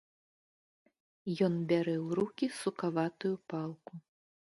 Ён бярэ ў рукі сукаватую палку.